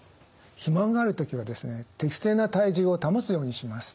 肥満がある時はですね適正な体重を保つようにします。